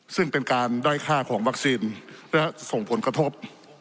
ซึ่งเป็นการด้อยค่าของวัคซีนและส่งผลกระทบ